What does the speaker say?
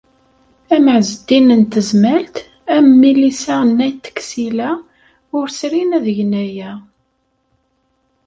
Am Ɛezdin n Tezmalt, am Milisa n At Ksila, ur srin ad gen aya.